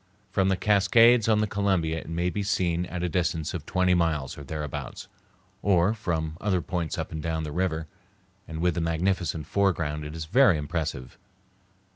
From the Cascades on the Columbia it may be seen at a distance of twenty miles or thereabouts, or from other points up and down the river, and with the magnificent foreground it is very impressive.